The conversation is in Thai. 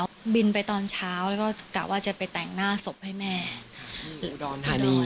อุดรณฑานี